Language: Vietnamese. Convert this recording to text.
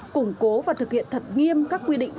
củng cố và thực hiện thật nghiêm các quy định